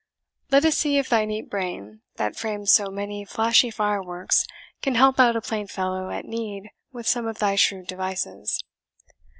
Let us see if thy neat brain, that frames so many flashy fireworks, can help out a plain fellow at need with some of thy shrewd devices."